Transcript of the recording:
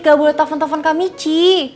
gak boleh telfon tefon kak mici